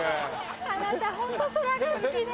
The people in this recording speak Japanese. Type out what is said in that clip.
あなたホント空が好きね。